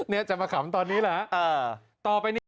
เนี่ยจะมาขำตอนนี้แหละต่อไปนี้